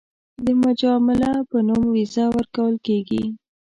د مجامله په نوم ویزه ورکول کېږي.